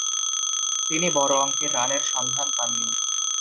তিনি বড় অঙ্কের রানের সন্ধান পাননি।